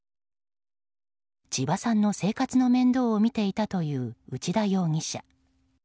千葉さんの生活の面倒を見ていたという内田容疑者。